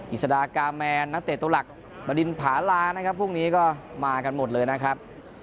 อิสดากาแมนนักเตะตัวหลักบดินผาลานะครับพรุ่งนี้ก็มากันหมดเลยนะครับ